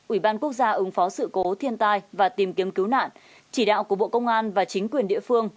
ủy ban quốc gia ứng phó sự cố thiên tai và tìm kiếm cứu nạn chỉ đạo của bộ công an và chính quyền địa phương